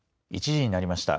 １時になりました。